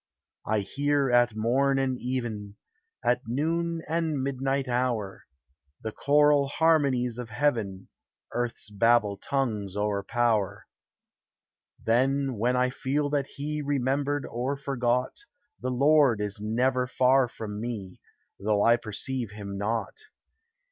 I hear at morn and even, At noon and midnight hour, The choral harmonies of heaven Earth's Babel tongues o'erpower. Then, then I feel that he, Remembered or forgot, The Lord, is never far from me, Though I perceive him not.